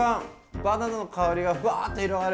バナナの香りがふわっと広がる！